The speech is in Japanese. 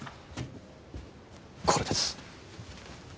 これです。